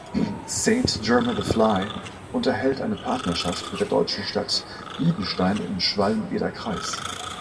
Saint-Germer-de-Fly unterhält eine Partnerschaft mit der deutschen Stadt Niedenstein im Schwalm-Eder-Kreis.